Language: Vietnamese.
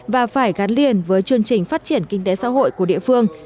và phải gắn liền với chương trình phát triển kinh tế xã hội của địa phương